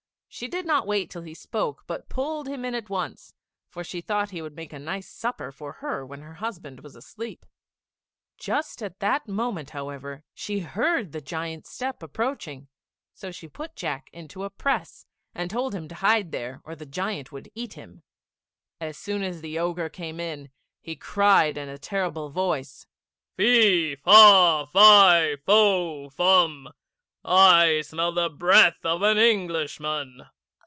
She did not wait till he spoke, but pulled him in at once, for she thought he would make a nice supper for her when her husband was asleep. Just at that moment, however, she heard the giant's step approaching, so she put Jack into a press, and told him to hide there, or the giant would eat him. As soon as the Ogre came in, he cried in a terrible voice "Fee, fa, fie, fo, fum, I smell the breath of an Englishman."